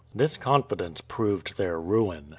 This confidence proved their ruin.